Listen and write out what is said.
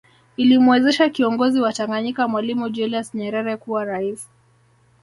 Ilimwezesha kiongozi wa Tanganyika Mwalimu Julius Nyerere kuwa rais